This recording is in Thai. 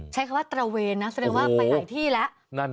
ใช้คำว่าตระเวนนะแสดงว่าไปหลายที่แล้ว